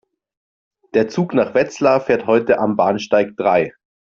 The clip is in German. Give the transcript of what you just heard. Der Zug nach Wetzlar fährt heute am Bahnsteig drei